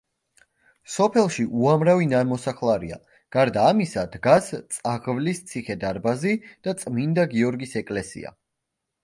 სოფელში უამრავი ნამოსახლარია, გარდა ამისა დგას წაღვლის ციხე-დარბაზი და წმინდა გიორგის ეკლესია.